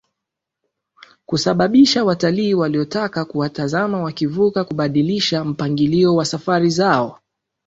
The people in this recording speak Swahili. kusababisha watalii waliotaka kuwatazama wakivuka kubadilisha mpangilio wa safari zao